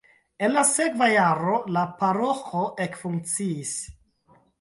En la sekva jaro la paroĥo ekfunkciis.